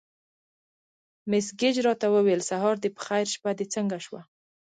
مس ګېج راته وویل: سهار دې په خیر، شپه دې څنګه شوه؟